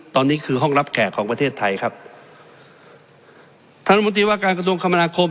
ตอนนี้คือห้องรับแขกของประเทศไทยครับธุรการกระทรวงคำนาคม